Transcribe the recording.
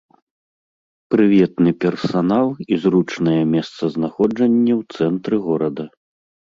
Прыветны персанал і зручнае месцазнаходжанне ў цэнтры горада.